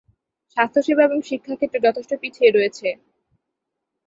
স্বাস্থ্যসেবা এবং শিক্ষাক্ষেত্রে যথেষ্ট পিছিয়ে রয়েছে।